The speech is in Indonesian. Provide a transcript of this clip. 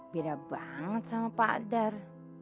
beda banget sama pak dar